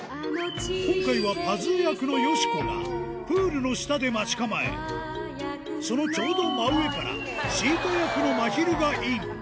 今回はパズー役のよしこが、プールの下で待ち構え、そのちょうど真上からシータ役のまひるがイン。